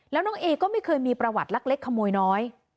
แล้วน้องเอก็ไม่เคยมีประวัติลักเล็กขโมยน้อย